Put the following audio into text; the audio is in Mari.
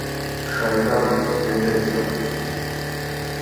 Шайтан Ведеса!